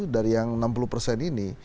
dari yang enam puluh persen ini